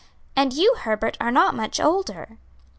And you, Herbert, are not much older."